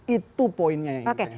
itu poinnya yang kita inginkan